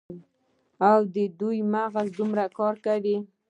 او د دوي مغـز دومـره کـار کـوي.